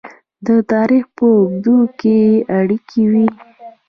د تاریخ په اوږدو کې اړیکې وې.